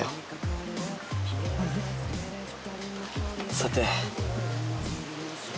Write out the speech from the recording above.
さて。